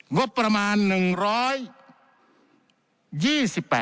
งบประมาณ๑๒๐บาท